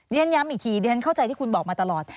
เรียนย้ำอีกทีเรียนเข้าใจที่คุณบอกมาตลอด